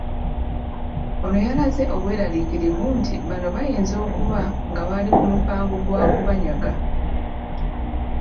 Ono yalaze obweraliikirivu nti bano bayinza okuba nga bali ku mupango gwa kubanyaga.